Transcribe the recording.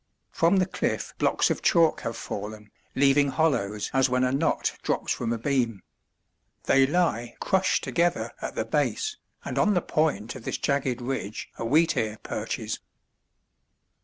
From the cliff blocks of chalk have fallen, leaving hollows as when a knot drops from a beam. They lie crushed together at the base, and on the point of this jagged ridge a wheatear perches.